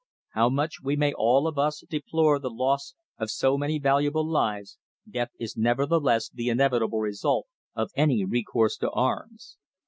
How much we may all of us deplore the loss of so many valuable lives death is nevertheless the inevitable result of any recourse to arms.